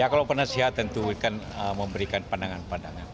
ya kalau penasehat tentu akan memberikan pandangan pandangan